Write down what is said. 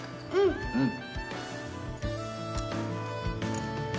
うん。